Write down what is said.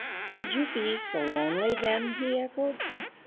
"Would you be so lonely then?" he echoed.